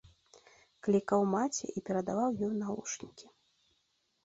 Клікаў маці і перадаваў ёй навушнікі.